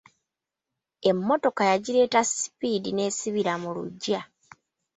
Emmotoka yagireeta sipiidi n'esibira mu lugya.